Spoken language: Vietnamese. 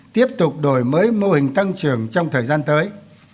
tiếp tục đổi mới mô hình tăng trưởng trong thời gian tới